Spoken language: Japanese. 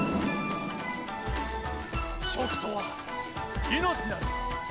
食とは命なり。